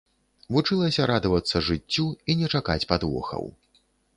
Вучылася радавацца жыццю і не чакаць падвохаў.